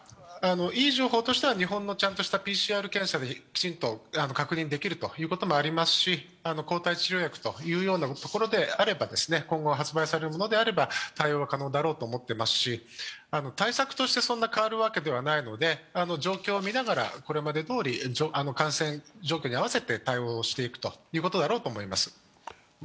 いい情報としては、日本のちゃんとしたＰＣＲ検査できちんと確認できるということもありますし、抗体治療薬ということであれば今後発売されるものであれば対応は可能だろうと思ってますし、対策としてそんな変わるわけではないので、状況を見ながら、これまでと対応を確認していくべきだと思います。